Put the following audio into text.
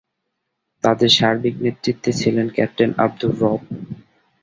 তাদের সার্বিক নেতৃত্বে ছিলেন ক্যাপ্টেন আবদুর রব।